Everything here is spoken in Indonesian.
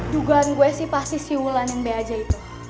dugaan gue sih pasti si wulan yang beaja itu